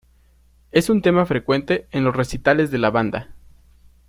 Es un tema frecuente en los recitales de la banda.